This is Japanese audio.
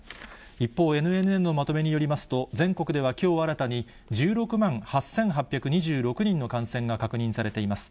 一方、ＮＮＮのまとめによりますと、全国ではきょう新たに、１６万８８２６人の感染が確認されています。